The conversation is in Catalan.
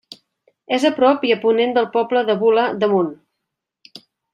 És a prop i a ponent del poble de Bula d'Amunt.